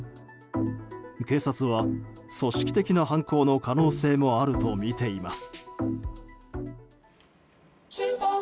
警察は組織的な犯行の可能性もあるとみています。